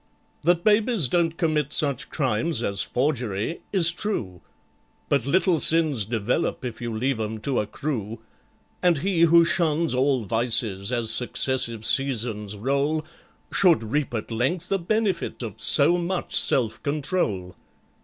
"That babies don't commit such crimes as forgery is true, But little sins develop, if you leave 'em to accrue; And he who shuns all vices as successive seasons roll, Should reap at length the benefit of so much self control.